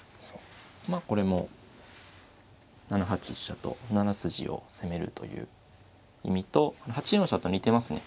まあこれも７八飛車と７筋を攻めるという意味とこの８四飛車と似てますね。